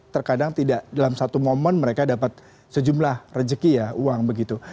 terkadang tidak dalam satu momen mereka dapat sejumlah rejeki ya uang begitu